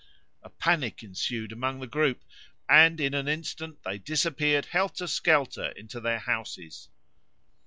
A panic ensued among the group, and in an instant they disappeared helterskelter into their houses.